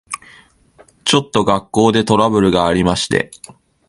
ちょっと学校でトラブルがありまして。